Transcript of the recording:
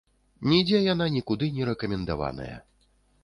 Нідзе яна нікуды не рэкамендаваная.